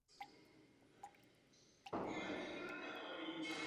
Pozvali jste Izraelce na setkání vašeho Kvartetu, ale oni nepřišli.